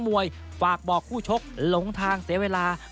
เตรียมป้องกันแชมป์ที่ไทยรัฐไฟล์นี้โดยเฉพาะ